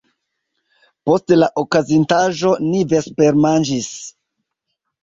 Post la okazintaĵo, ni vespermanĝis.